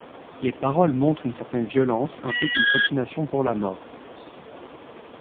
Les paroles montrent une certaine violence ainsi qu'une fascination pour la mort.